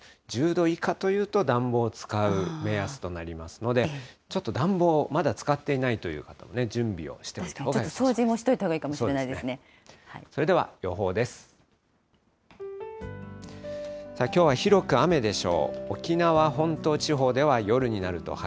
１０度以下というと、暖房使う目安となりますので、ちょっと暖房まだ使っていないという方も準備掃除もしておいたほうがいいそれでは予報です。